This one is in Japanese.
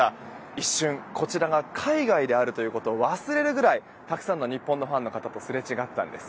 一瞬、こちらが海外であることを忘れるぐらいたくさんの日本のファンの方とすれ違ったんです。